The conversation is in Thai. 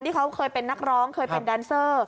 ที่เขาเคยเป็นนักร้องเคยเป็นแดนเซอร์